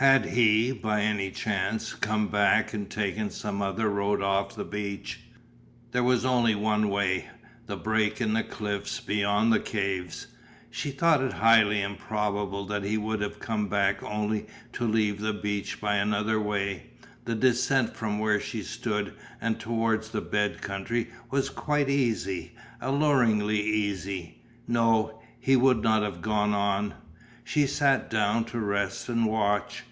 Had he, by any chance, come back and taken some other road off the beach? There was only one way: the break in the cliffs, beyond the caves. She thought it highly improbable that he would have come back only to leave the beach by another way, the descent from where she stood and towards the bed country was quite easy, alluringly easy. No, he would have gone on. She sat down to rest and watch.